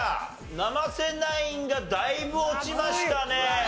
生瀬ナインがだいぶ落ちましたね。